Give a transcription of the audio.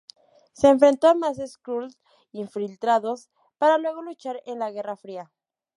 Se enfrentó a más Skrull infiltrados, para luego luchar en la Guerra Fría.